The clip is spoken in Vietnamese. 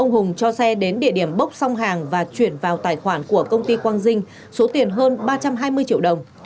hùng cho xe đến địa điểm bốc song hàng và chuyển vào tài khoản của công ty quang dinh số tiền hơn ba trăm hai mươi triệu đồng